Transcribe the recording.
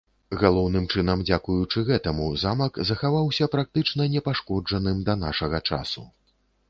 Галоўным чынам, дзякуючы гэтаму замак захаваўся практычна непашкоджаным да нашага часу.